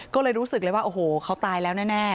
ก็เลยรู้สึกเลยว่าโอ้โหเขาตายแล้วแน่